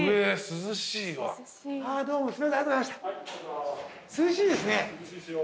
涼しいですよ。